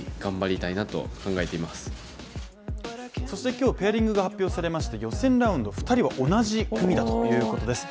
今日ペアリングが発表されまして予選ラウンド２人は同じ組だということです。